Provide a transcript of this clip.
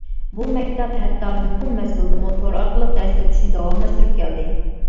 بۇ مەكتەپ ھەتتا يۇقۇم مەزگىلىدىمۇ تور ئارقىلىق دەرس ئۆتۈشنى داۋاملاشتۇرۇپ كەلدى.